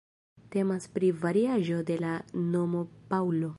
Temas pri variaĵo de la nomo "Paŭlo".